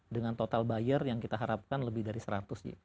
dengan total buyer yang kita harapkan lebih dari seratus ya